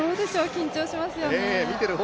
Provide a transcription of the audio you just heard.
緊張しますよね。